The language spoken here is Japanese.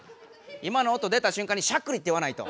今の音出た瞬間に「しゃっくり」って言わないと。